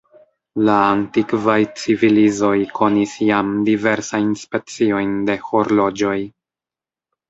La antikvaj civilizoj konis jam diversajn speciojn de horloĝoj.